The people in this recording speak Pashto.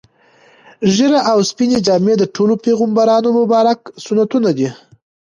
ږیره او سپینې جامې د ټولو پیغمبرانو مبارک سنتونه دي.